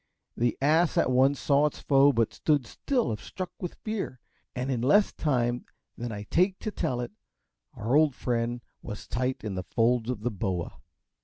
The ass at once saw its foe, but stood still as if struck with fear, and in less time than I take to tell it, our old friend was tight in the folds of the boa.